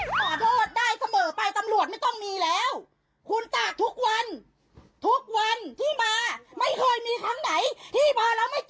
ขอโทษได้เสมอไปตำรวจไม่ต้องมีแล้วคุณตากทุกวันทุกวันที่มาไม่เคยมีครั้งไหนที่พอเราไม่เจอ